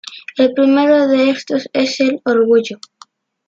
El primero de estos es el Orgullo.